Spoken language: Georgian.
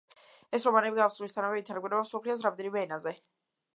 ეს რომანები გამოსვლისთანავე ითარგმნა მსოფლიოს რამდენიმე ენაზე.